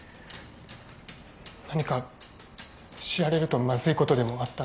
何か知られるとまずいことでもあったん